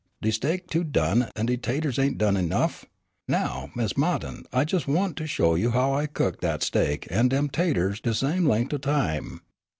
De steak too done an' de 'taters ain't done enough! Now, Miss Ma'tin, I jes' want to show you I cooked dat steak an' dem 'taters de same lengt' o' time.